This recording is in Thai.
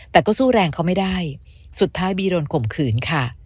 แต่ก็สู้แรงเขาไม่ได้สุดท้ายบีโดนข่มขืนค่ะ